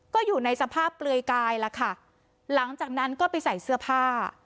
ก็อยู่ในสภาพเปลือยกายล่ะค่ะหลังจากนั้นก็ไปใส่เสื้อผ้า